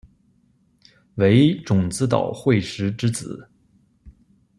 为种子岛惠时之子。